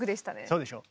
そうでしょう。